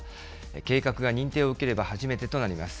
計画が認定を受ければ、初めてとなります。